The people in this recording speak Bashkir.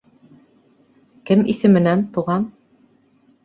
— Кем исеменән, туған?